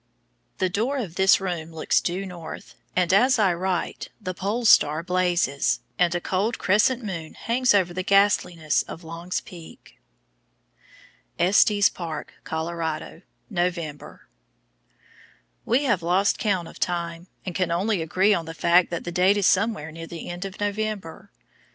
The door of this room looks due north, and as I write the Pole Star blazes, and a cold crescent moon hangs over the ghastliness of Long's Peak. ESTES PARK, COLORADO, November. We have lost count of time, and can only agree on the fact that the date is somewhere near the end of November.